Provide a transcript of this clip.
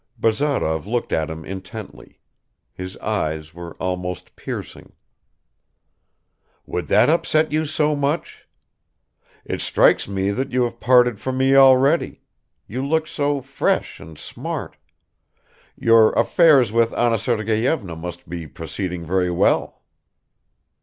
Bazarov looked at him intently; his eyes were almost piercing. "Would that upset you so much? It strikes me that you have parted from me already; you look so fresh and smart ... your affairs with Anna Sergeyevna must be proceeding very well."